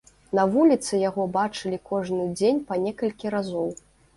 На вуліцы яго бачылі кожны дзень па некалькі разоў.